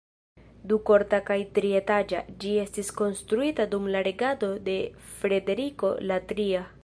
Dukorta kaj trietaĝa, ĝi estis konstruita dum la regado de Frederiko la Tria.